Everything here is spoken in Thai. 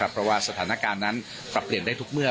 เพราะว่าสถานการณ์นั้นปรับเปลี่ยนได้ทุกเมื่อ